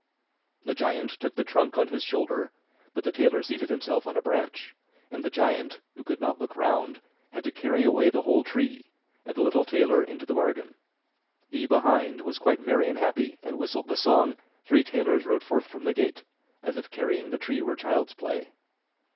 The giant took the trunk on his shoulder, but the tailor seated himself on a branch, and the giant, who could not look round, had to carry away the whole tree, and the little tailor into the bargain: he behind, was quite merry and happy, and whistled the song: 'Three tailors rode forth from the gate,' as if carrying the tree were child's play.